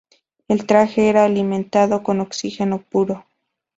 El traje era alimentado con oxígeno puro.